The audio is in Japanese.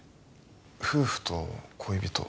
夫婦と恋人？